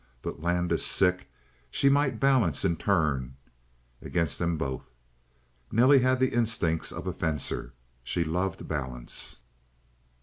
But Landis sick she might balance in turn against them both. Nelly had the instincts of a fencer; she loved balance.